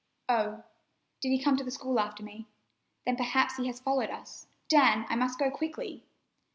"Oh, did he come to the school after me? Then perhaps he has followed us. Dan, I must go quickly!"